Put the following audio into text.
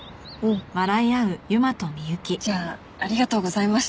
じゃあありがとうございました。